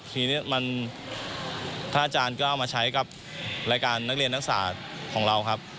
จริงมันถ้าอาจารย์ก็เอามาใช้กับรายการนักเรียนนักศึกษาของเรา